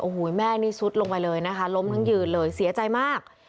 โอ้โหแม่นี่ซุดลงไปเลยนะคะล้มทั้งยืนเลยเสียใจมาก